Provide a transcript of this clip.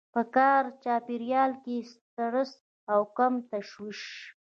په کاري چاپېريال کې کم سټرس او کم تشويش.